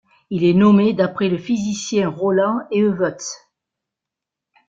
Il est nommé d'après le physicien Roland Eötvös.